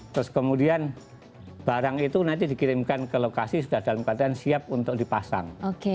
terus kemudian barang itu nanti dikirimkan ke lokasi sudah dalam keadaan siap untuk dipasang